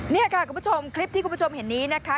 นี่ค่ะคุณผู้ชมคลิปที่คุณผู้ชมเห็นนี้นะคะ